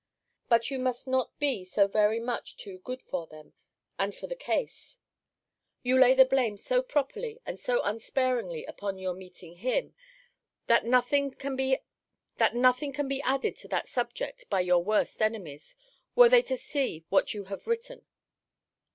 But you must not be so very much too good for them, and for the case. You lay the blame so properly and so unsparingly upon your meeting him, that nothing can be added to that subject by your worst enemies, were they to see what you have written.